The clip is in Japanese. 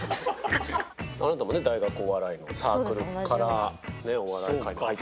あなたもね大学お笑いのサークルからねお笑い界に入ってますから。